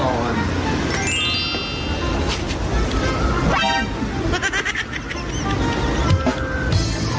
ต้องการ